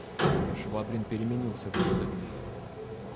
Швабрин переменился в лице.